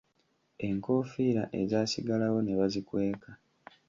Enkofiira ezaasigalawo ne bazikweka.